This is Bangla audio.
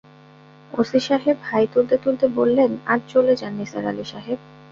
ওসি সাহেব হাই তুলতে-তুলতে বললেন, আজ চলে যান নিসার আলি সাহেব।